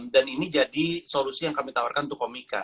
dan ini jadi solusi yang kami tawarkan untuk komika